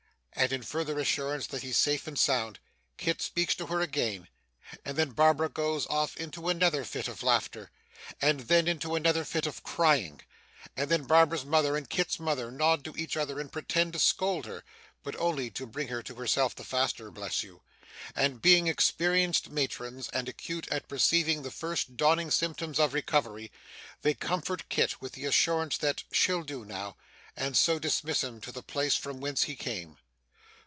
And in further assurance that he's safe and sound, Kit speaks to her again; and then Barbara goes off into another fit of laughter, and then into another fit of crying; and then Barbara's mother and Kit's mother nod to each other and pretend to scold her but only to bring her to herself the faster, bless you! and being experienced matrons, and acute at perceiving the first dawning symptoms of recovery, they comfort Kit with the assurance that 'she'll do now,' and so dismiss him to the place from whence he came.